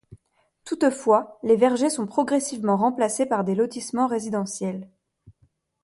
Toutefois, les vergers sont progressivement remplacés par des lotissements résidentiels.